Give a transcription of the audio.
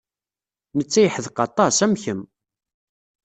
Netta yeḥdeq aṭas, am kemm.